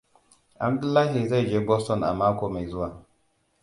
Abdullahi zai je Boston a mako mai zuwa.